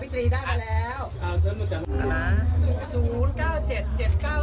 เปิดทีละตัวนะครับโอเคพี่ตีได้ไปแล้ว